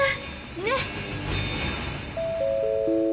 ねっ？